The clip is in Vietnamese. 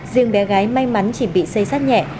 riêng bé gái may mắn chỉ bị xây sát nhẹ